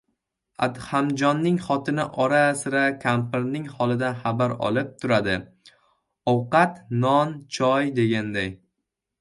Adhamjonning xotini ora-sira kampirning holidan xabar olib turadi, ovqat, non-choy deganday.